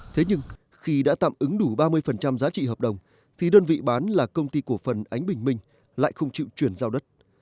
thế nhưng khi đã tạm ứng đủ ba mươi giá trị hợp đồng thì đơn vị bán là công ty cổ phần ánh bình minh lại không chịu chuyển giao đất